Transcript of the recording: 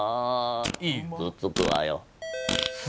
突っつくわよ。